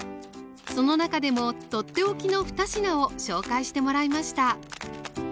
その中でも取って置きの２品を紹介してもらいました